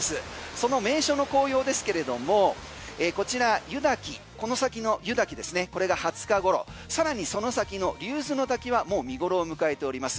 その名称の紅葉ですけれどもこちら湯滝これが２０日ごろさらにその先の竜頭の滝はもう見頃を迎えております。